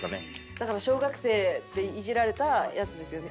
だから小学生ってイジられたやつですよね。